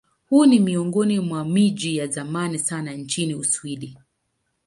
Huu ni miongoni mwa miji ya zamani sana nchini Uswidi.